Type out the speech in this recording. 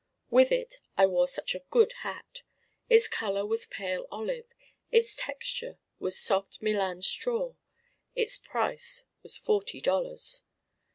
With it I wore such a good hat: its color was pale olive: its texture was soft Milan straw: its price was forty dollars.